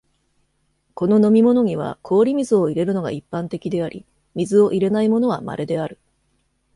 この飲み物には、氷水を入れるのが一般的であり、水を入れないものは稀である。